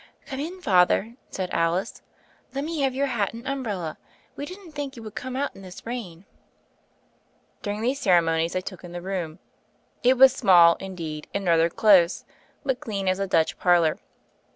"Come in, Father," said Alice. "Let me have your hat and umbrella. We didn't think you would come out in this rain.'* During these ceremonies, I took in the room. It was small, indeed, and rather close; but clean as a Dutch parlor.